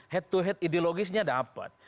head to head ideologisnya dapat